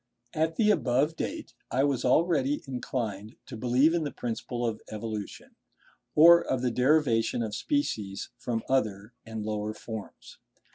At the above date, I was already inclined to believe in the principle of evolution, or of the derivation of species from other and lower forms.